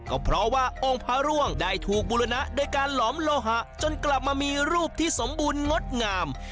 ก็เพราะว่าองค์พระร่วงได้ถูกบุรณะโดยการหลอมโลหะจนกลับมามีรูปที่สมบูรณ์งดงาม